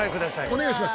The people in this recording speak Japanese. お願いします。